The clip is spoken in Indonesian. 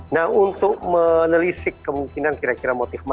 nah untuk menelisik kemungkinan kira kira motif motif